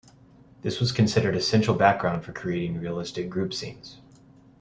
This was considered essential background for creating realistic group scenes.